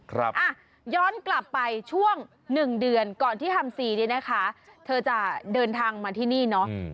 ครับอ่ะย้อนกลับไปช่วงหนึ่งเดือนก่อนที่ทำซีเนี่ยนะคะเธอจะเดินทางมาที่นี่เนาะ